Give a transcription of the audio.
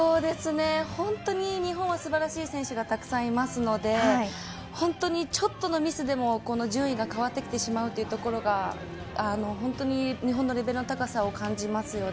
本当に日本は素晴らしい選手がたくさんいますので本当にちょっとのミスでも順位が変わってきてしまうというところが本当に日本のレベルの高さを感じます。